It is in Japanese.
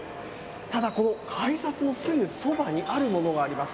ただこの改札のすぐそばにあるものがあります。